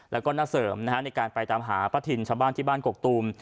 แล้วก็น่าเสริมในการไปตามหาป้าทินชาวบ้านที่บ้านกกตูม